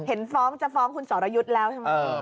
เห็นฟ้องจะฟ้องคุณสรยุทธ์แล้วใช่ไหม